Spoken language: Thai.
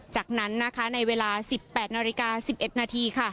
จากนั้นนะคะในเวลา๑๘นาฬิกา๑๑นาทีค่ะ